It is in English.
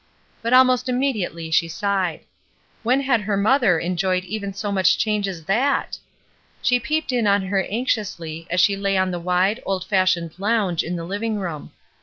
But almost immediately she sighed. When had her mother 388 ESTER RIED'S NAMESAKE enjoyed even so much change as that? She peeped in on her anxiously as she lay on the wide, old fashioned lounge in the living room.